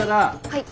はい。